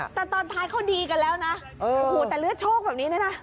แต่ตอนท้ายเขาดีกันแล้วนะโอ้โหแต่เลือดโชคแบบนี้เนี่ยนะ